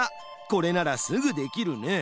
これならすぐできるね。